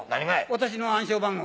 私の暗証番号。